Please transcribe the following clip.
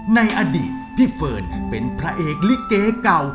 ในอดีตพี่เฟิร์นเป็นพระเอกลิเกเก่า